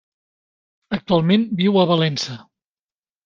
Actualment viu a Valença.